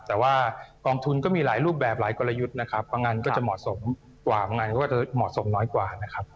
แต่ว่ากองทุนก็มีหลายรูปแบบหลายกลยุทธ์นะครับบางงานก็จะเหมาะสมกว่าบางงานก็จะเหมาะสมน้อยกว่านะครับ